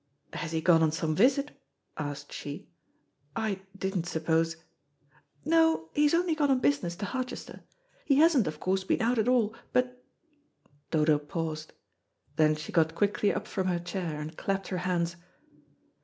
"Has he gone on some visit?" asked she. "I didn't suppose " "No, he's only gone on business to Harchester. He hasn't, of course, been out at all. But " Dodo paused. Then she got quickly up from her chair, and clapped her hands.